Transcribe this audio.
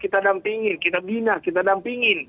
kita dampingi kita bina kita dampingi